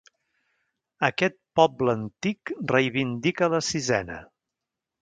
Aquest poble antic reivindica la sisena.